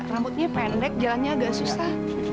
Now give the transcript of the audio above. rambutnya pendek jalannya agak susah